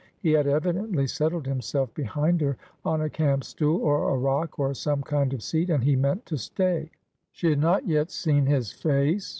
He had evidently settled himself behind her, on a camp stool, or a rock, or some kind of seat ; and he meant to stay. She had not yet seen his face.